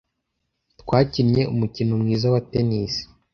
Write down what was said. Twakinnye umukino mwiza wa tennis.